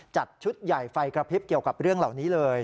จัดชุดใหญ่ไฟกระพริบเกี่ยวกับเรื่องเหล่านี้เลย